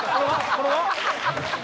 これは？